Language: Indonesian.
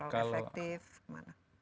kalau efektif gimana